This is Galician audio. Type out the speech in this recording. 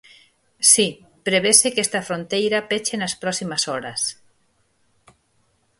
Si, prevese que esta fronteira peche nas próximas horas.